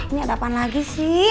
ini ada apaan lagi sih